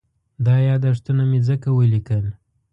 دا یادښتونه مې ځکه وليکل.